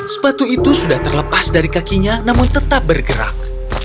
sepatu itu sudah terlepas dari kakinya namun tetap bergerak